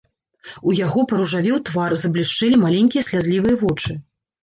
У яго паружавеў твар, заблішчэлі маленькія слязлівыя вочы.